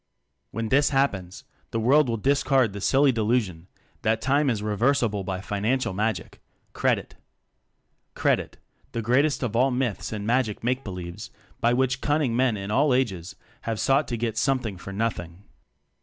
When this happens, the world will discard the silly delusion that time is I reversible by financial magic credit; "credit," the greatest of all myths and magic makebelieves by which cunning men in all ages have sought to get something for nothing.